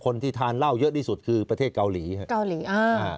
คนที่ทานเหล้าเยอะที่สุดคือประเทศเกาหลีครับเกาหลีอ่า